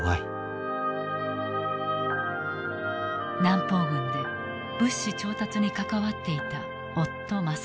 南方軍で物資調達に関わっていた夫政春。